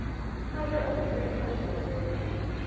'' "I will, with great pleasure, my dear.''